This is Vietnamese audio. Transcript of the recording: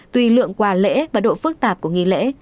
tùy lượng quà lễ và độ phức tạp của nghi lễ